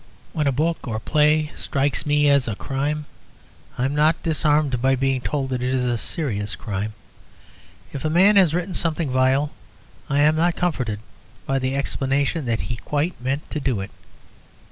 When a book or a play strikes me as a crime, I am not disarmed by being told that it is a serious crime. If a man has written something vile, I am not comforted by the explanation that he quite meant to do it.